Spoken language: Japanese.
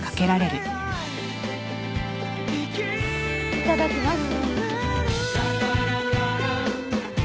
いただきます。